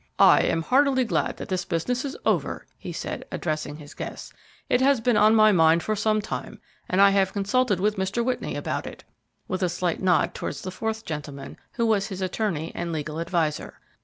"I am heartily glad that this business is over," he said, addressing his guests; "it has been on my mind for some time, and I have consulted with Mr. Whitney about it," with a slight nod towards the fourth gentleman, who was his attorney and legal adviser.